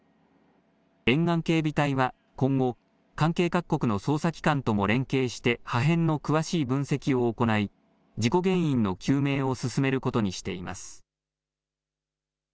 沿岸警備隊は今後、関係各国の捜査機関とも連携して破片の詳しい分析を行い、事故原因の究明を進めることにしています。